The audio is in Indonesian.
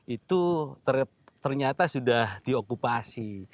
itu ternyata sudah diokupasi